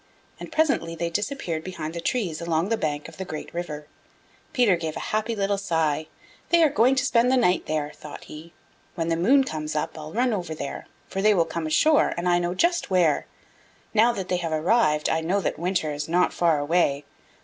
And presently they disappeared behind the trees along the bank of the Great River. Peter gave a happy little sigh. "They are going to spend the night there," thought he. "When the moon comes up, I will run over there, for they will come ashore and I know just where. Now that they have arrived I know that winter is not far away.